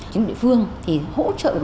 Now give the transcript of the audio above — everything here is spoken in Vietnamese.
chính địa phương thì hỗ trợ về mặt cơ chứa